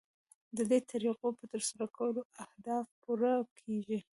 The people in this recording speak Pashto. ددې طریقو په ترسره کولو اهداف پوره کیږي.